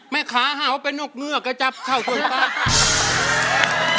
แม่ขาหาวเป็นนกเงือกก็จับเข้าสวยพัด